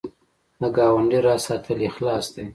د ګاونډي راز ساتل اخلاص دی